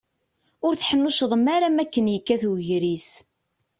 Ur teḥnuccḍem ara makken yekkat ugris.